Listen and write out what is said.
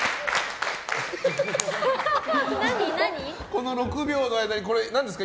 この６秒の間に何ですか？